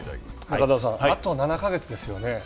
中澤さんあと７か月ですよね。